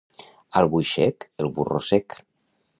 Albuixec, el burro sec.